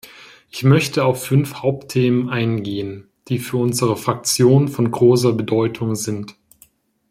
Ich möchte auf fünf Hauptthemen eingehen, die für unsere Fraktion von großer Bedeutung sind.